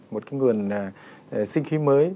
một cái nguồn sinh khí mới